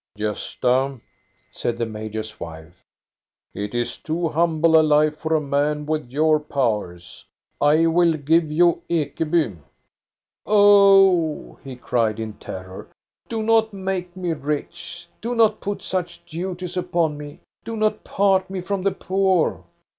Gosta," said the major's wife, " it is too humble a life for a man with your powers. I will give you Ekeby." Oh," he cried in terror, " do not make me rich ! Do not put such duties upon me ! Do not part me from the poor